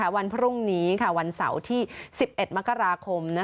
วันพรุ่งนี้วันเสาร์ที่๑๑มกราคม